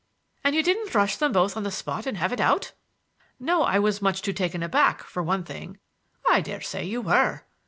"And you didn't rush them both on the spot and have it out?" "No. I was too much taken aback, for one thing—" "I dare say you were!"